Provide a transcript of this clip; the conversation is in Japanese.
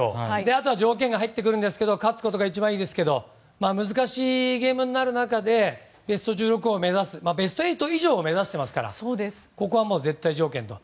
あとは条件が入ってきますが勝つことが一番いいですけど難しいゲームになる中でベスト１６を目指すベスト８以上を目指してますからここは絶対条件と。